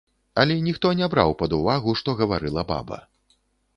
Але ніхто не браў пад увагу, што гаварыла баба.